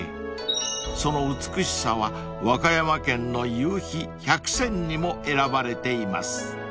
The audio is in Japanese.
［その美しさは和歌山県の夕陽１００選にも選ばれています］